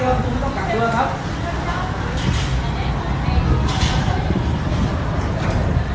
ตอนที่สุดมันกลายเป็นสิ่งที่ไม่มีความคิดว่า